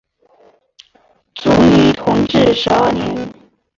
卒于同治十二年。